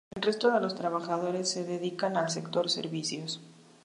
El resto de los trabajadores se dedican al sector servicios.